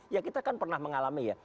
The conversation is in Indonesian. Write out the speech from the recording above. ya kita kan pernah mengalami ya